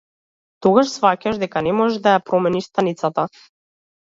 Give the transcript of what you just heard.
Тогаш сфаќаш дека не можеш да ја промениш станицата.